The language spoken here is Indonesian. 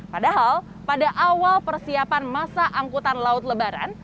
padahal pada awal persiapan masa angkutan laut lebaran